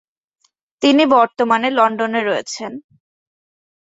তিনি বর্তমানে লন্ডনে রয়েছেন।